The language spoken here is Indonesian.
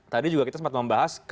tadi juga kita sempat membahas